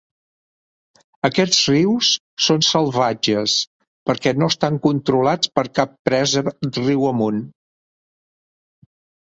Aquests rius són "salvatges" perquè no estan controlats per cap presa riu amunt.